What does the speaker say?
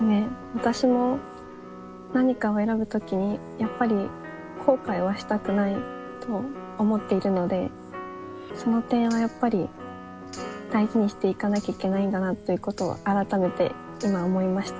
私も何かを選ぶ時にやっぱり後悔はしたくないと思っているのでその点はやっぱり大事にしていかなきゃいけないんだなということを改めて今思いました。